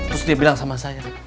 terus dia bilang sama saya